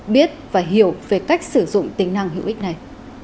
biết và hiểu về cách sử dụng tính năng hữu ích này